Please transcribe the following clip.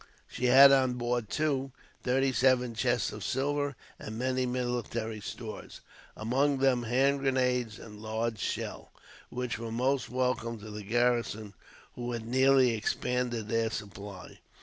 She had on board, too, thirty seven chests of silver, and many military stores, among them hand grenades and large shell, which were most welcome to the garrison, who had nearly expended their supply.